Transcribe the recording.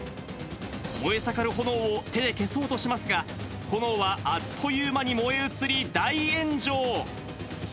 燃え盛る炎を手で消そうとしますが、炎はあっという間に燃え移り、大炎上。